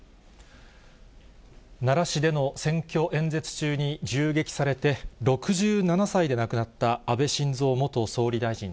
奈良市での選挙演説中に銃撃されて、６７歳で亡くなった安倍晋三元総理大臣。